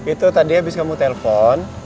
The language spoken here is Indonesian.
itu tadi habis kamu telpon